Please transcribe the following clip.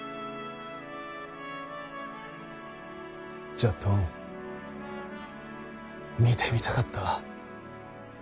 じゃっどん見てみたかった。